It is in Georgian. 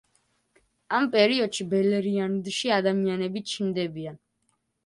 ამ პერიოდში ბელერიანდში ადამიანები ჩნდებიან.